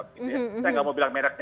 saya nggak mau bilang mereknya